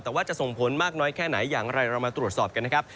แต่ว่าจะส่งผลมากน้อยแค่ไหนอย่างไรเรามาตรวจสอบกันนะครับ